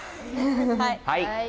はい！